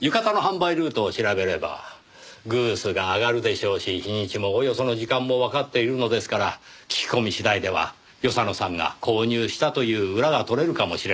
浴衣の販売ルートを調べればグースが挙がるでしょうし日にちもおおよその時間もわかっているのですから聞き込み次第では与謝野さんが購入したという裏が取れるかもしれません。